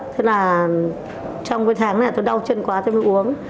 thế là trong cái tháng này tôi đau chân quá tôi uống